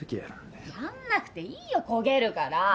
やんなくていいよ焦げるから。